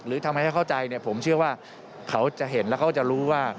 หรือทำให้เขาเข้าใจเนี่ยผมเชื่อว่าเขาจะเห็นแล้วเขาจะรู้ว่า